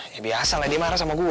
ya biasa lah dia marah sama gue